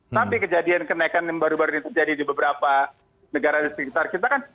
tapi kejadian kenaikan yang baru baru ini terjadi di beberapa negara di sekitar kita kan